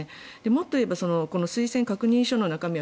もっと言えば推薦確認書の中身